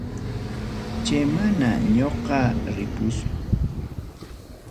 Chaynama ñoqa ripuspay.